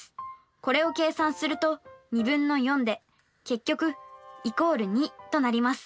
これを計算すると２分の４で結局＝２となります。